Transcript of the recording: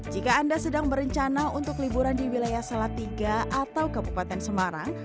jika anda sedang berencana untuk liburan di wilayah salatiga atau kabupaten semarang